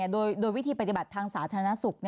โดยวิธีปฏิบัติทางสาธารณสุข